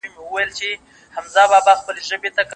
زه پر زنګېدلي پاڼ ولاړ یمه در لوېږمه